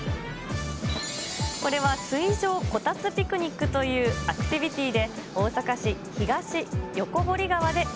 これは水上こたつピクニックというアクティビティーで、大阪市ひがしよこ